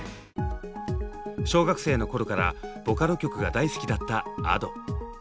小学生の頃からボカロ曲が大好きだったＡｄｏ。